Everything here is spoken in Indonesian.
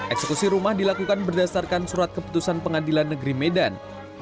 eksekusi rumah dilakukan berdasarkan surat keputusan pengadilan negeri medan